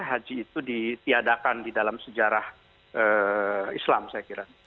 haji itu ditiadakan di dalam sejarah islam saya kira